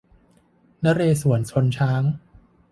นเรศวร์ชนช้าง